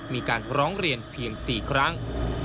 มีการร้องเรียนเพียง๔ครั้ง